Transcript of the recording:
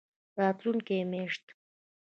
راتلونکې میاشت